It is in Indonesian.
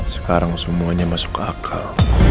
sekarang semuanya masuk akal